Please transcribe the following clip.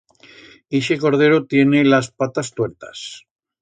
Ixe cordero tienen las patas tuertas.